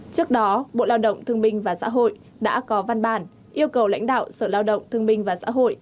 trước đó bộ lao động thương binh và xã hội đã có văn bản yêu cầu lãnh đạo sở lao động thương minh và xã hội